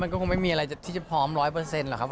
มันก็คงไม่มีอะไรที่จะพร้อมร้อยเปอร์เซ็นต์หรอกครับ